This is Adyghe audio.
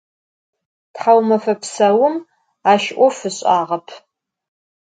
Thaumafe psaum aş 'of ış'ağep.